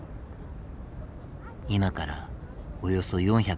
今からおよそ